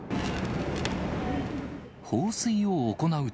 放水を行うと。